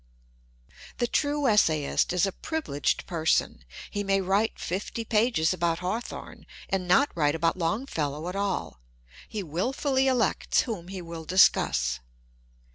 The true essayist is a privileged person. He may write fifty pages about Hawthorne and not write about Longfellow at all; he wilfully elects whom he will discuss.